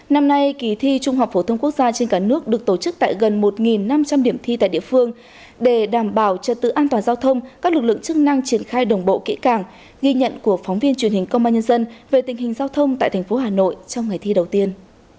năm nay kỳ thi trung học phổ thông quốc gia trên cả nước được tổ chức tại gần một năm trăm linh điểm thi tại địa phương để đảm bảo trật tự an toàn giao thông các lực lượng chức năng triển khai đồng bộ kỹ càng ghi nhận của phóng viên truyền hình công an nhân dân về tình hình giao thông tại thành phố hà nội trong ngày thi đầu tiên